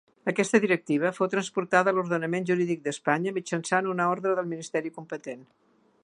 Aquesta directiva fou transposada a l'ordenament jurídic d'Espanya mitjançant una ordre del ministeri competent.